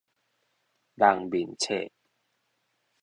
人面冊